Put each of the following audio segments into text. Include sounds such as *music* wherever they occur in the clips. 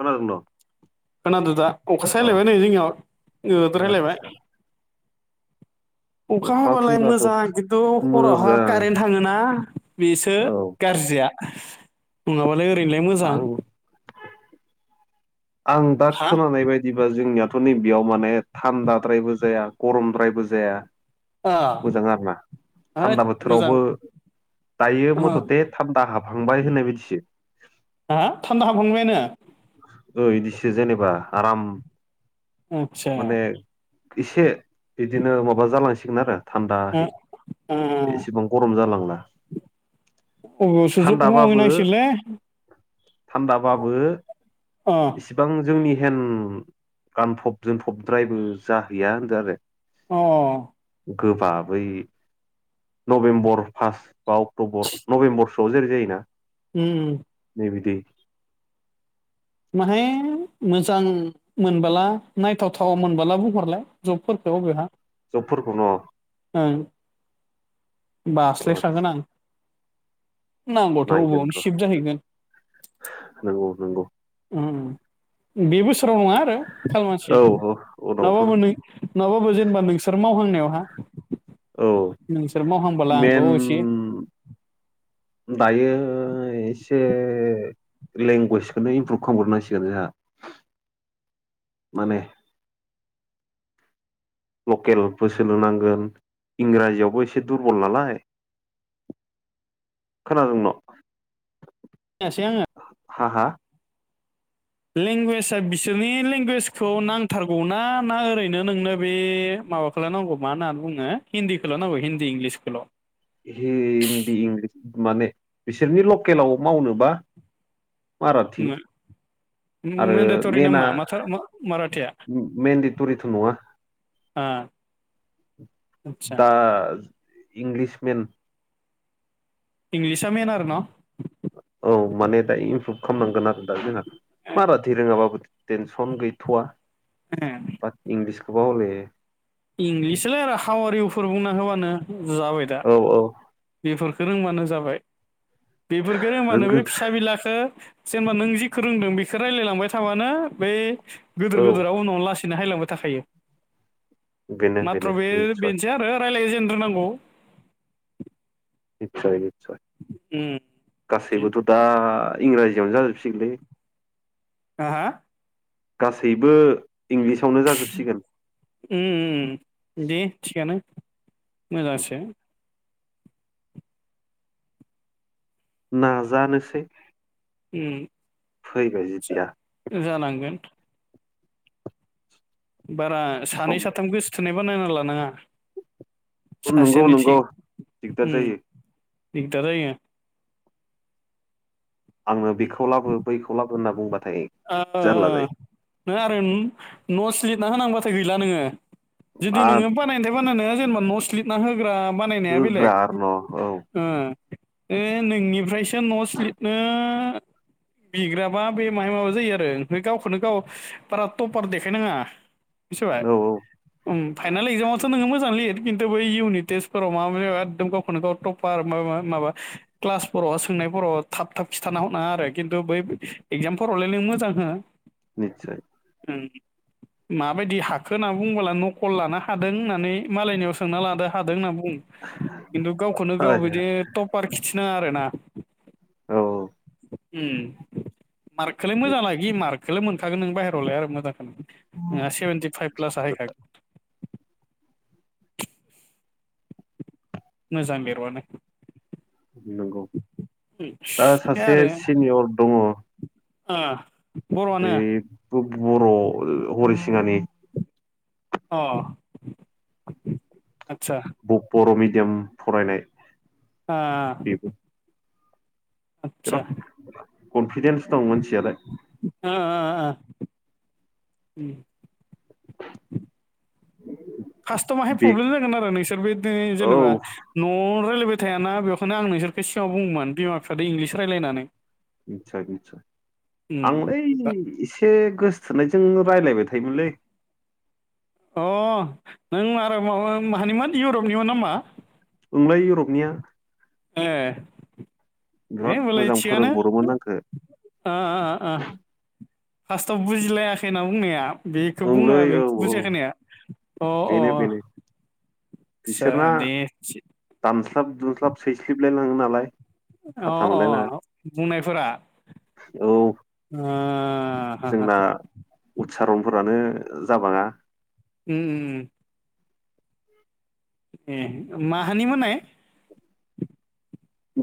खनागं न' खोनाद' दा अ अखाासोलायबाय नै जोंनियाव ए गोदोर हायलायबाय आदसा अखा हाबालाय मोजां खिन्थु हरावहा मोजां कारेन्ट थाङोना बेसो औ गाज्रिया नङाबालाय ओरैनोलाय मोजां आं आं दा हा खोनानाय बायदि जबा जोंनियाथ' नैबेयाव माने थान्दाद्रायबो जाया गरमद्रायबो जाया ओ मोजां आर ना होद थान्दा मोजां बोथोरावबो दायो ओ मथथे थाब दाहाबहांबाय होननाय बदिसो ह थान्दा ह हांबायानो बिदिसो जेनेबा आराम आदसा माने एसे बिदिनो माबा जालांसिगोन आरो ओ थान्दाहै ओ एसेबां गरम जालांला अब सुजोब थान्दाबाबो हहनांसिल थान्दाबाबो अ इसिबां जोंनि हन्द गानफब जोनफबद्रायबो जाहैया होनदों आरो अ गोबाबै नभेम्बर फार्स्ट बा अक्ट'बर नभेम्बरसोआव जेरै जायोोना उ नै बिदि माहाय मोजां मोनबोला नायथावथाव मोनबोला बुंहरलाय जबफोरखौ बेहा जबफोरखौनो' ओं होन अ बास्लायख्रागोन आं नांगौथ' नायगोन बबावयावनो र' सिफ्ट जाहैगोन नंगौ नंगौ- बे बोसोराव नङा आरो खाालमानसि औ औ उनावफोर नाबाबो नै नङाबाबो जेनेबा नोंसोर मावहांनायावहा औ नोंसोर मावहांबोला आंबो मेन असे दायो एसे लेंगुवेजखौनो इमप्रुभ खालामग्रोनांसिगोन जोंहा माने लकेलबो सोलों नांगोन इंराजियावबो एसे दुरबल नालाय खोनादों न' से आङो हा हा लेंगुवेजआ बिसोरनि लेंगुवेजखौ नांथारगौना ना ओरैनो नोंनो बे माबाखौ खौल नांगौ म होनना बुङो हिन्दीखौल' नांगौ हिन्दी इंलिसखौल' हिन्दी इंलिस माने बिसोरनि लकेलाव मावनोबा मारथि आरो मेन्डेटरि नामा मनाआ माथार माराथिया मइेनदिटरिथ' नङा आतसा दा इंलिसमेन इंलिसआ मेन आरोना औ माने दा इमप्रुभ खालामनांगोन आरो दा जोंहा माराथि रोङाबाबो टेनसन गैथ'आ बा इंलिसखौबा हले इंलिसलाय आरो हाव आ रिउफोर बुंना होबानो जाबाय दा औ बेफोरखौ रोंबानो जाबाय बेफोरखौ रोंबानो बे रोंगोन फिसा बिलाखौ जेनेबा नों जिखौ रोंदों बेखौ रायजलायलांबाय थाबानो बै गिदोर औ गोदोरा उनावनो लासै नो हायलांबाय थाखायो बेनो बेनो माथ्र' बे निसय बेनोसै आरो रायज्लाय जेननो रोंग्रोनांगौ निस्सय-निस्सय उम दे गासैबोथ' दा इंराजियावनो जाजोबसिगोनलै *unintelligible* गासैबो इंलिसावनो जाजोबसिगोन दे थिगानो मोजांसो नाजानोसै फैबाय जिथिया जानांगोन बारा सानै सम साथाम गोसथोनाय बानायना लानाङा सासेयानो नंगौ-नंगौ थिग दिगदार उम जायो दिगदार जायो आंनो बेखौ लाबो बैखौ लाबो होनना बुंबाथाय ओ ओ जारला जायो नों आरो नथ्स लिरना होनांबाथाय गैला नोङो जुदि मा नोङो बानायनायथाय बानायनो जेनेबा नथ्स लिरना होग्रा बानायनाया होग्रा बेलेग आरो नोंनिफ्रायसो नथ्स लिरनो *inaudible* बिग्राबा बे माहाय माबा जायो आरो गावखौनो गाव बारा थपार देखायनाङा न' औ औ *unintelligible* फाइनाल एक्जामावथ' नों मोजाङै लिरफिनदो खिन्थु बै इउनि टेसफोराव माबा माबि एकदम गावखौनो गाव टप माबा क्लासफोराव सोंनायफोराव थाब थाब खिन्थाना हरनाङा आरो खिन्थु बै एक्जामफोरावलाय नों मोजां हो निस्सय माबायदि हाखो होनना बुंबोला नखल लाना हादों होननानै मालायनियाव स सोंना लादो हादों होनना बुङो खिन्थु गावखौनो गाव औ बिदि टपार खिथिनाङा आरोना औ मार्कखौलाय निस्सय मोजांलाखि मार्कखौलाय' मोनखागोन नों बाहेरावलाय आरो मोजांखौ सेभेन्टि फाइभ प्लासा फैखागोन मोजां बेल'आनो नंगौ दा बे सासे आरो सिनियर दङ *unintelligible* बेबो बर' हरिसिङानि अह आटसा बर' मिडियाम फरायनाय अह बेबो बिराद कनफिदेन्स दं मानसियालाय अह-अह फार्स्टआव हाय बे प्रब्लेम जागोन आरो नोंसोर बे औ जेनेबा न'आव राय खिथायाना बेखायनो आं नोंसोरखौ सिगाङाव बुंङोमोन बिमा बिफाजों इंलिस रायज्लाय होननानै निचय-निचय उम आं लै दा ए एसे गोसथोनायजों रायज्लायबाय थायोमोनलै अह नों आरो माबा मानिमोन इउरपनिमोन नामा ओंलै इउरपनिया एह है बिराद होनबालाय मोजां थिगानो फोरोंहरोमोन आंखौ फार्स्टआव बुजिलायाखैना बुंनाया बेखौ ओंलै बुङो बे औ औ बुजिया खोनाया अह अह बेनो बेनो आटसा बिसोरना दे दानस्लाब दुमस्लाब सैसलिबलायलाङो नालाय अ फाथा मोनलायलाङा अ बुंनायफोरा औ ओ हा हा जोंना उत्सारनफोरानो जाबाङा उम उम उम ए माहानिमोन नाय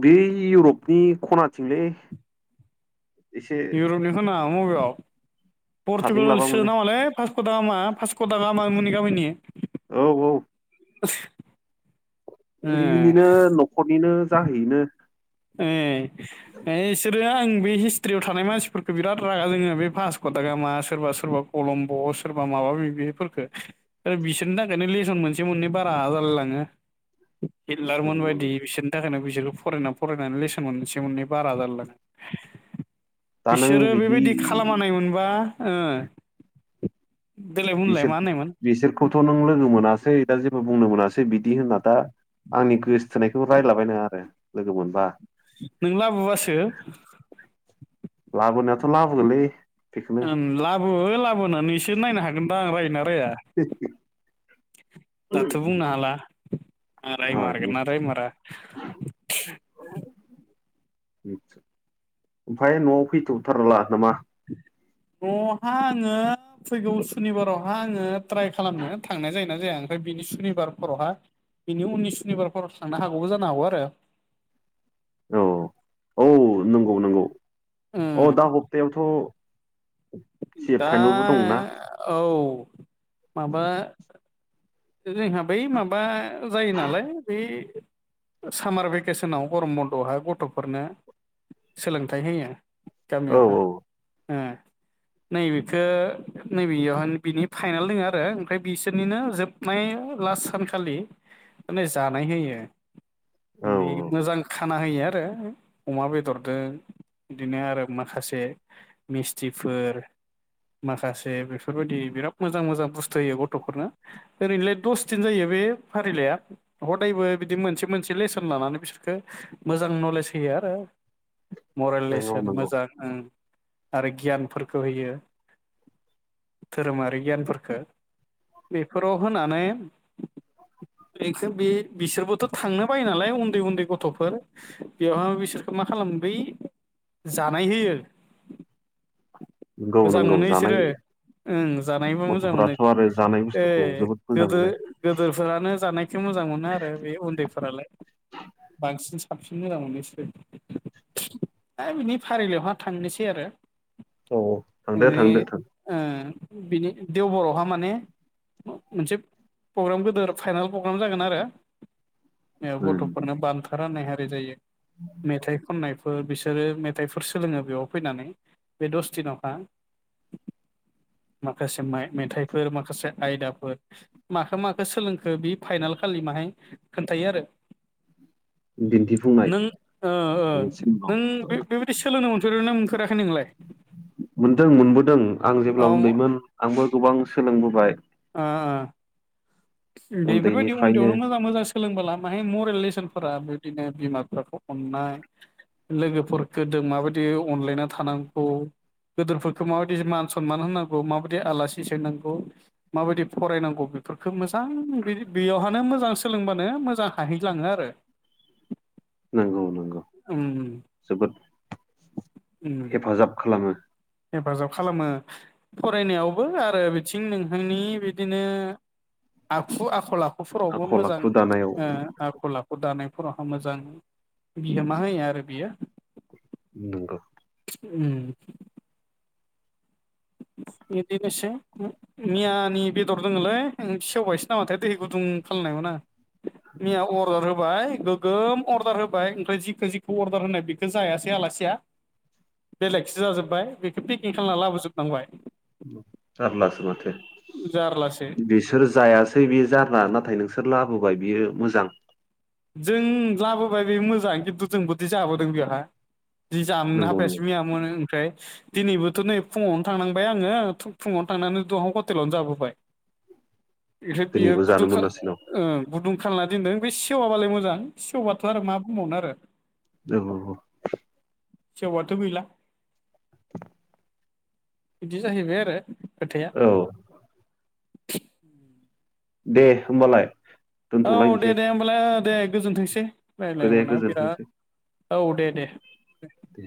बे इउरपनि खनाथिंलै एसे इउरपनि खना माबेयाव थाबलिं पर्तुगाल लाबा सो मोनो नामालै पासख'थाामा पासख' थाखा गाहामा मनि गामिनि औ औ ब *unintelligible* बेनिनो न'खरनिनो जाहैयोनो ए ए इसोरो दा आं बे हिस्ट्रियाव थानाय मानसिफोरखौ बिराद रागा जोङो बे भासकटा गामा सोरबा सोरबा कलमब' सोरबा माबा बेफोरफोरखौ आरो बिसोरनि थाखायनो लेसन मोनसे मोननै बारा जालाय लाङो औ हिटलारमोन बायदि बिसोरनि थाखायनो बिसोरखौ फरायनानै फरायनानै लेसन मोनसे मोननै बारा जालाय लाङो दा नों बिसोरो बिदि बेबायदि खालामानाय मोनबा ओ देलाय बुंलाय बिसोर मा होननायमोन बिसोरखौथ' नों लोगो मोनासै दा जेबो बुंनो मोनासै बिदि होनना दा आंनि गोसोथोनायखौ रायलाबायनाङा आरो लोगो मोनबा नों लाबोबासो लाबोनायाथ' लाबोगोनलै बेखौनो औ लाबो लाबोनानैसो नायनो हागोनदा आं रायोना राया *unintelligible* दाथ' बुंनो हाला रायमारगोन ना रायमारा *inaudible* ओमफ्राय न'आव फैथ'थारला नामा न'आवहाय आङो फैगौ सुनिबारावहा आङो ट्राइ खालामनो थांनाय जायो जाया ओमफ्राय बिनि सुनिबारफोरावहाय बिनि उननि सुनिबारफोराव थांनो हागौबो जानो हागौ आरो औ औ नंगौ नंगौ अ दा हप्तायावथ' सि दा फाइनेलबो दं ना औ माबा जोंहा बै माबा जायो नालाय बै सामार भेकेसनाव गरम बन्द'आवहाय गथ'फोरनो सोलोंथाइ होयो औ गामियावहा औ ओ नैबेखौ नैबेयावहाय बिनि फाइनाल दोङो आरो ओमफ्राय बिसोरनिनो जोब नाय लास्ट सानखालि माने जानाय होयो औ माने मोजां खाना होयो आरो अमा बेदरदों बिदिनो आरो माखासे मिस्थिफोर माखासे बेफोरबायदि बिराद मोजां मोजां बुस्थु होयो गथ'फोरनो ओरैनोलाय दस दिन जायो बे फारिलाइया हदायबो बिदि मोनसे मोनसे लेसन लानानै बिसोरखौ मोजां नलेज होयो आरो मरेल नंगौ लेसन नंगौ मोजां आरो गियानफोरखौ होयो धोरोमारि गियानफोरफोरखौ फोराव होनानै बेखौ बे बिसोरबोथ' थांनो बायो नालाय उन्दै उन्दै गथ'फोर बेवहाय बिसोरखौ मा खालामो बै जानाय होयो *inaudible* मोजां नंगौ मोनो जानाय इसोरो ओं जानायबो मोजां मोनो। जानायबो ए गोदो गोदोरफोरानो जानायखौ मोजां मोनो आरो बे उन्दैफोरालाय। बांसिन साबसिन मोजां मोनो बिसोरो। दा बिनि फारिलाइयावहा थांनोसै आरो औ औ थांदो *unintelligible* थांदो थां ओ बिनि देवब'आहा माने मोनसे प्रग्राम गोदोर फाइनाेल प्रग्राम जागोन आरो ओ गथ'फोरनो बान्था राननाय हारि जायो मेथाइ खननाय बो बिसोरो मेथाइफोर सोलोङो बेयाव फैनानै बे दस दिनावहा माखासे माइ मेथाइफोर माखासे आयदाफोर माखो माखो सोलोंखो बे फाइनाल खालि माहाय खोन्थायो आरो दिन्थिफुंनाय नों *unintelligible* औ ए सोलोंनो मोनफेरखोना मोनफेराखै नोंलाय? मोनदों मोनबोदों आं औ जेब्ला ओ उन्दैमोन आंबो गोबां सोलोंबोबाय अ अ बेफोरबायदि उन्दैनिफ्रायनो उन्दैयावनो मोजां मोजांसो सोलोंबोला माहाय मरेल लेसनफोरा बिदिनो बिमा बिफाखौ अननाय लोगोफोरखो दों माबायदि अनलायना थानांगौ। गोदोरफोरखौ माबायदि मान सनमान होनांगौ माबायदि आलासि सोंनांगौ माबायदि फरायनांगौ बेफोर बे मोजां बेयावहानो मोजां सोलोंबानो मोजां हाहैलाङो आरो। नंगौ नंगौ उम जोबोद उम हेफाजाब खालामो। हेफाजाब खालामो फरायनायावबो आरो बिथिं नोंथांनि बिदिनो आखु आखल आखुफोरावबो आखल मोजां आखु दानायाव ओ आखल आखु दानायफोरावहा मोजां बिहोमा होयो आरो बियो नंगौ उम बेदिनोसो मियानि बेदर दङोलै सेवबायसो नामाथाय दै गुदुं खालामानायमोन आं मैया अर्दार होबाय गो गोम अर्दार होबाय ओमफ्राय जिख जिख अर्दार होनाय बेखौ जायासै आलासिया बेलेगसो जाजोबबाय बेखौ पिकें खालामना लाबोजोबनांबाय। जारलासो माथो जारलासो बिस सोर जायासै बियो जारला नाथाय नोंसोर लाबोबाय बियो मोजां। जों लाबोबाय बे मोजां खिन्थु जोंबोदि जाबोदों बेयावहा जि जामनो नंगौ नंगौ हाफायासै मैया। मोनो ओमफ्राय। दिनैबोथ' नै फुङावनो थांनांबाय आङो फुङावनो थांनानै दहां हटेलावनो जाबोबाय। *inaudible* बेफ्राय बियो दिनैबो जानो गुदुंखा मोनासै न' ओं गुदुं खालामना दोनदों बे सेवाबालाय मोजां सेवबाथ' आरो मा बुंबावनो आरो। औ औ सेवबाथ गैला बिदि जाहैबाय आरो खोथाया औ दे होमबालाय औ दे दोनथ'लायनोसै दे होमबालाय दे गोजोनथोंसै रायज्लाय गोदे मोना गोजोनथोंसै बिराद औ दे दे दे